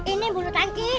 ini bulu tangkis